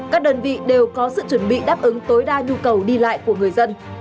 các đơn vị đều có sự chuẩn bị đáp ứng tối đa nhu cầu đi lại của người dân